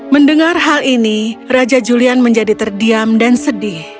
mendengar hal ini raja julian menjadi terdiam dan sedih